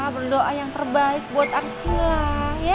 berdoa yang terbaik buat arsila